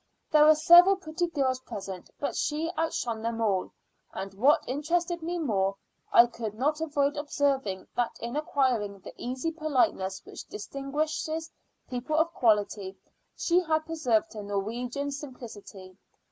There were several pretty girls present, but she outshone them all, and, what interested me still more, I could not avoid observing that in acquiring the easy politeness which distinguishes people of quality, she had preserved her Norwegian simplicity.